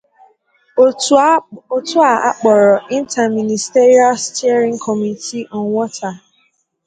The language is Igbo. òtù a kpọrọ 'Interministerial Steering Committee on Water